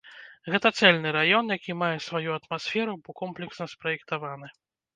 Гэта цэльны раён, які мае сваю атмасферу, бо комплексна спраектаваны.